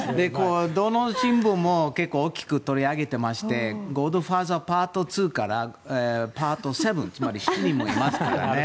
どの新聞も結構大きく取り上げていまして「ゴッドファーザーＰＡＲＴ２」から「パート７」つまり７人もいますからね。